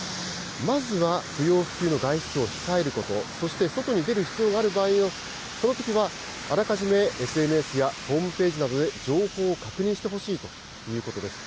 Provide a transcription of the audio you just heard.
まずは不要不急の外出を控えること、そして外に出る必要がある場合は、そのときはあらかじめＳＮＳやホームページなどで情報を確認してほしいということです。